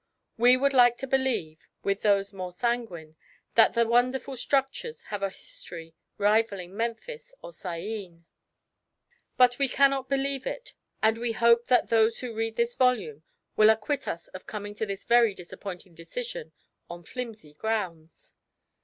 We would like to believe, with those more sanguine, that the wonderful structures have a history rivalling Memphis or Syene. But we cannot believe it, and we hope that those who read this volume will acquit us of coming to this very disappointing decision on flimsy grounds.